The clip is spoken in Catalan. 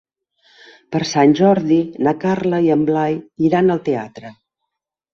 Per Sant Jordi na Carla i en Blai iran al teatre.